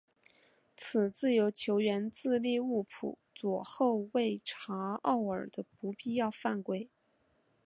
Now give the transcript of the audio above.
此自由球源自利物浦左后卫查奥尔的不必要犯规。